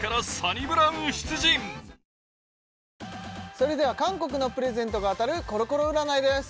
それでは韓国のプレゼントが当たるコロコロ占いです